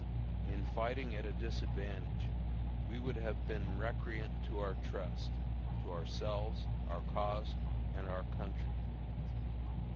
In fighting at a disadvantage, we would have been recreant to our trust, to ourselves, our cause, and our country.